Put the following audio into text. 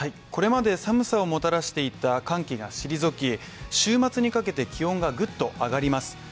これまで寒さをもたらしていた寒気が退き週末にかけて気温がぐっと上がります。